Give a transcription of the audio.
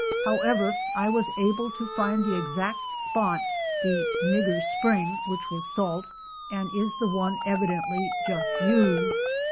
However I was able to find the exact spot, the "Nigger Spring" which was salt and is the one evidently just used.